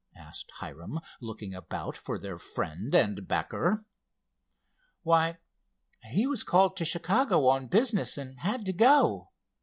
asked Hiram, looking about for their friend and backer. "Why, he was called to Chicago on business, and had to go.